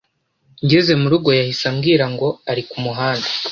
”.Ngeze mu rugo yahise ambwira ngo ari ku muhanda